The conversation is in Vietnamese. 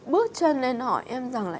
bước chân lên hỏi em rằng là